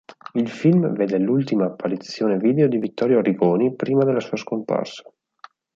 Il film vede l'ultima apparizione video di Vittorio Arrigoni prima della sua scomparsa.